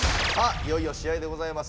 いよいよ試合でございます。